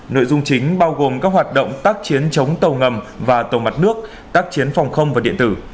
nội dung chính bao gồm các hoạt động tác chiến chống tàu ngầm và tàu mặt nước tác chiến phòng không và điện tử